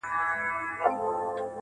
پر بای مي لود خپل سر، دین و ایمان مبارک,